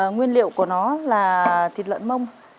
nguyên liệu của nó là thịt lợn mông